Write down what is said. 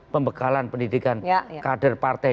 pembekalan pendidikan kader partai